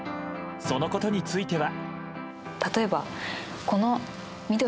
そのことについては。